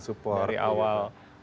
support kita dari awal